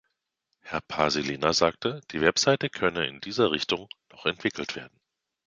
Herr Paasilinna sagte, die Website könnte in dieser Richtung noch entwickelt werden.